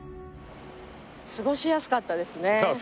過ごしやすかったですね。